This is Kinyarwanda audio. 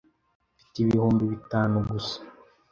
Mfite ibihumbi bitanu gusa .